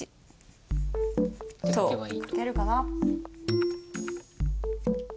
書けるかな？